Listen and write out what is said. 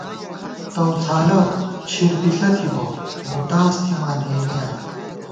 تَؤڅھالہ چھِر پِݪہ تھِبہ ، مُوتاز تھِمان ہېنِیاں